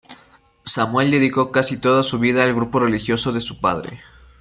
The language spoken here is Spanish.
Samuel dedicó casi toda su vida al grupo religioso de su padre.